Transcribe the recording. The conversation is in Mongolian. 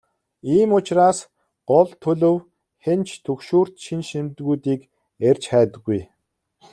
Ийм учраас гол төлөв хэн ч түгшүүрт шинж тэмдгүүдийг эрж хайдаггүй.